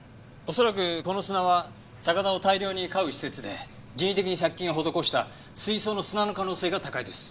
恐らくこの砂は魚を大量に飼う施設で人為的に殺菌を施した水槽の砂の可能性が高いです。